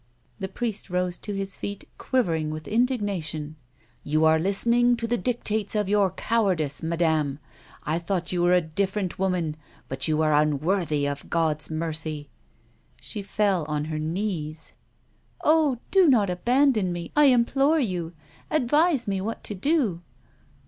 The priest rose to his feet, quivering with indignation. " You are listening to the dictates of your cowardice, madame. I thought you were a different woman, but you are unworthy of God's mercy." A WOMAN'S LIFE. 170 She foil on her knees :" Oh ! Do not abandon me, I implore you. Advise mo what to do."